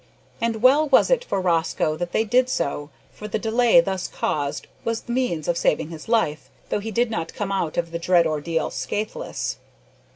And well was it for Rosco that they did so, for the delay thus caused was the means of saving his life though he did not come out of the dread ordeal scathless.